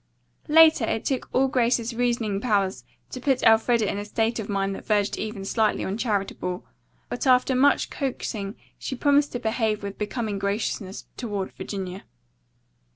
Later, it took all Grace's reasoning powers to put Elfreda in a state of mind that verged even slightly on charitable, but after much coaxing she promised to behave with becoming graciousness toward Virginia.